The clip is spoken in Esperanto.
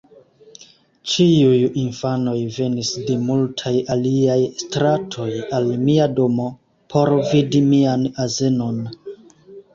Ĉiuj infanoj venis de multaj aliaj stratoj, al mia domo, por vidi mian azenon.